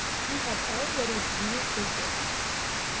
He had already breathed his last.